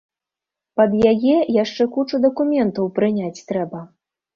Пад яе яшчэ кучу дакументаў прыняць трэба.